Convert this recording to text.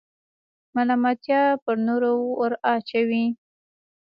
ملامتیا پر نورو وراچوئ.